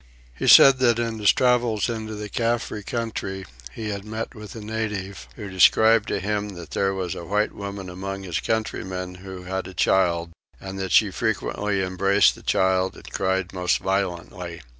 He said that in his travels into the Caffre country he had met with a native who described to him that there was a white woman among his countrymen who had a child, and that she frequently embraced the child and cried most violently.